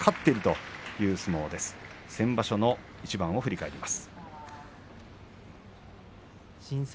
先場所の一番を振り返ります。